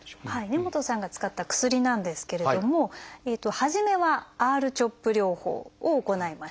根本さんが使った薬なんですけれども初めはＲ−ＣＨＯＰ療法を行いました。